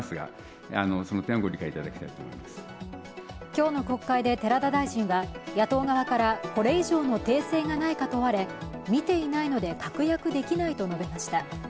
今日の国会で寺田大臣は、野党側からこれ以上の訂正がないか問われ見ていないので確約できないと述べました。